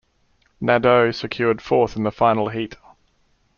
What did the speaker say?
Nadeau secured fourth in the final heat.